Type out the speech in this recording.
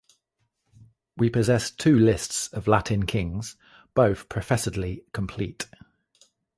We possess two lists of Latin kings, both professedly complete.